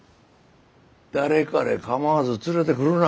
誰彼構わず連れてくるな。